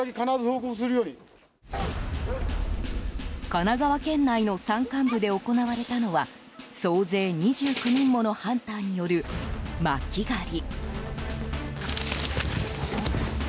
神奈川県内の山間部で行われたのは総勢２９人ものハンターによる巻き狩り。